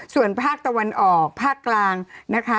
ส่วนภาคตะวันออกภาคกลางนะคะ